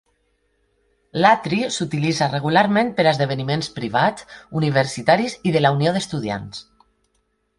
L'atri s'utilitza regularment per a esdeveniments privats, universitaris i de la unió d'estudiants.